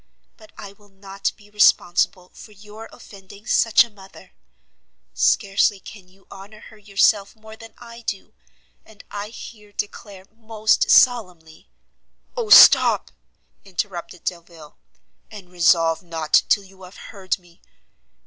But I will not be responsible for your offending such a mother; scarcely can you honour her yourself more than I do; and I here declare most solemnly " "O stop!" interrupted Delvile, "and resolve not till you have heard me.